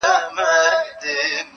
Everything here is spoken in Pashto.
یوې ښځي زوی مُلا ته راوستلی.